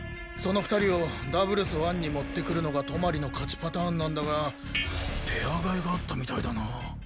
その２人をダブルス１に持ってくるのがトマリの勝ちパターンなんだがペア替えがあったみたいだな。